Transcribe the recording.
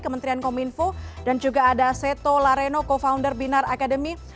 kementerian kominfo dan juga ada seto lareno co founder binar academy